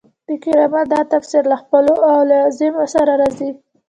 د کرامت دا تفسیر له خپلو لوازمو سره راځي.